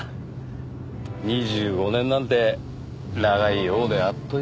２５年なんて長いようであっという間だね。